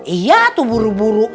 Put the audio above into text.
iya tuh buru buru